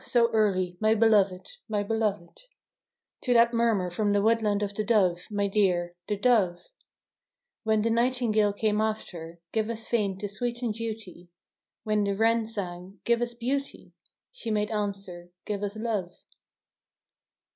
so early, my beloved, my be¬ loved, To that murmur from the woodland of the dove, my dear, the dove; When the nightingale came after, " Give us fame to sweeten duty! " When the wren sang, " Give us beauty !" She made answer, " Give us love